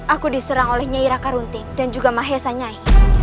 aku diserang oleh nyaira karunti dan juga mahesa nyai